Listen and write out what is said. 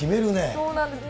そうなんですね。